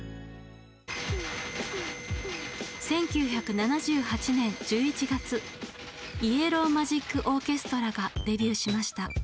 １９７８年１１月イエロー・マジック・オーケストラがデビューしました。